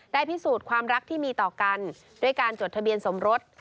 พิสูจน์ความรักที่มีต่อกันด้วยการจดทะเบียนสมรส